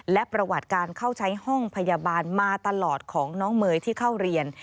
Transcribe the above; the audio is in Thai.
และประวัติการเข้าใช้ห้องพยาบาลมาตลอดของน้องเมย์ที่เข้าเรียน